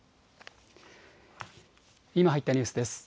今入ったニュースです。